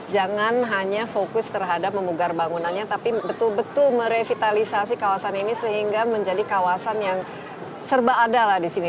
jangan hanya fokus terhadap memugar bangunannya tapi betul betul merevitalisasi kawasan ini sehingga menjadi kawasan yang serba ada lah di sini